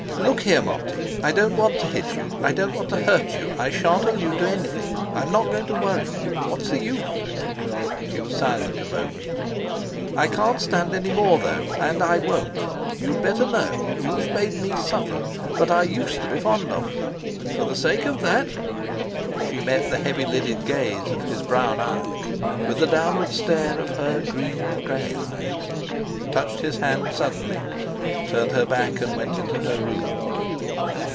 "Look here, Monty! I don't want to hit you. I don't want to hurt you. I shan't allude to anything. I'm not going to worry. What's the use?" She was silent a moment. "I can't stand any more, though, and I won't! You'd better know. You've made me suffer. But I used to be fond of you. For the sake of that...." She met the heavy lidded gaze of his brown eyes with the downward stare of her green grey eyes; touched his hand suddenly, turned her back, and went into her room.